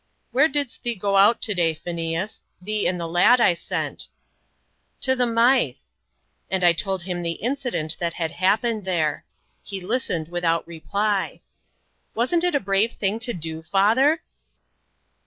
"Where didst thee go out to day, Phineas? thee and the lad I sent." "To the Mythe:" and I told him the incident that had happened there. He listened without reply. "Wasn't it a brave thing to do, father?"